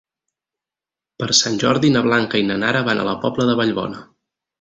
Per Sant Jordi na Blanca i na Nara van a la Pobla de Vallbona.